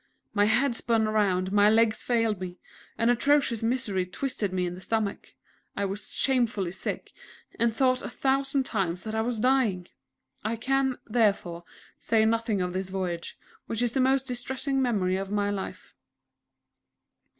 My head spun round; my legs failed me; an atrocious misery twisted me in the stomach. I was shamefully sick, and thought a thousand times that I was dying! I can, therefore, say nothing of this voyage, which is the most distressing memory of my life.